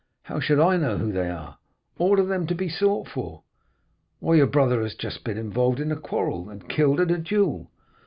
"'How should I know who they are?' "'Order them to be sought for.' "'Why, your brother has been involved in a quarrel, and killed in a duel.